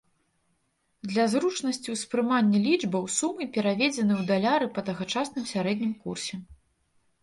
Для зручнасці ўспрымання лічбаў сумы пераведзеныя ў даляры па тагачасным сярэднім курсе.